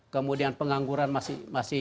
kemudian pengangguran masih